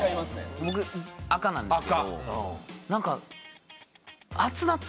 僕赤なんですけど何か。